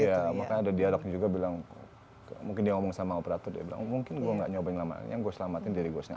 iya makanya ada dialog juga bilang mungkin dia ngomong sama operator dia bilang mungkin gue gak nyobain lama yang gue selamatin diri gue sendiri